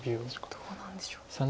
どうなんでしょう。